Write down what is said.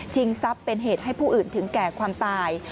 ทรัพย์เป็นเหตุให้ผู้อื่นถึงแก่ความตาย